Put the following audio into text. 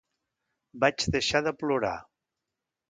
Vaig deixar de plorar.